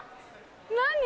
何？